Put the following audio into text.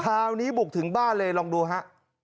คราวนี้บุกถึงบ้านเลยลองดูฮะ